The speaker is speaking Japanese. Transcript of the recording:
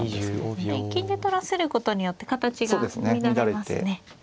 金で取らせることによって形が乱れますね。